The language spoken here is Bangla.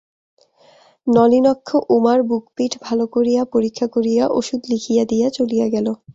নলিনাক্ষ উমার বুক-পিঠ ভালো করিয়া পরীক্ষা করিয়া ওষুধ লিখিয়া দিয়া চলিয়া গেল।